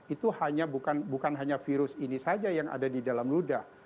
itu bukan hanya virus ini saja yang ada di dalam ludah